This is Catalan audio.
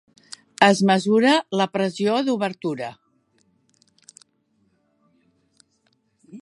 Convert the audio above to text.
Es mesura la pressió d'obertura.